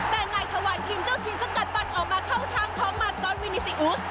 แต่ในถวันทีมเจ้าทีมสะกัดปั่นออกมาเข้าทางของมาร์กอลวินิสิอุส